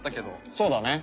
そうだね。